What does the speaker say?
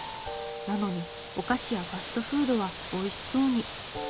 なのにお菓子やファストフードはおいしそうに。